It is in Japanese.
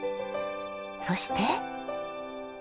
そして。